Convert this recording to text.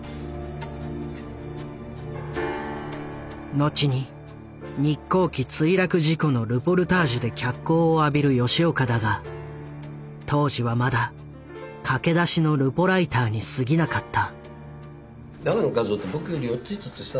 後に日航機墜落事故のルポルタージュで脚光を浴びる吉岡だが当時はまだ駆け出しのルポライターにすぎなかった。